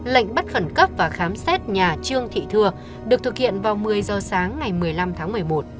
lệnh bắt khẩn cấp và khám xét nhà trương thị thưa được thực hiện vào một mươi giờ sáng ngày một mươi năm tháng một mươi một